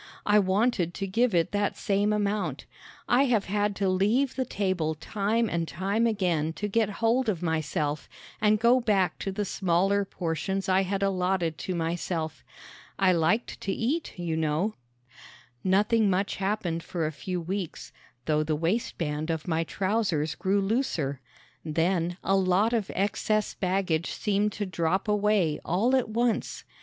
I wanted to give it that same amount. I have had to leave the table time and time again to get hold of myself and go back to the smaller portions I had allotted to myself. I liked to eat, you know. Nothing much happened for a few weeks, though the waistband of my trousers grew looser. Then a lot of excess baggage seemed to drop away all at once.